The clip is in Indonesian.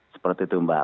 seperti itu mbak